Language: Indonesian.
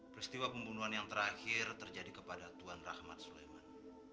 pembunuhan yang terakhir terjadi kepada tuan rahmat suleman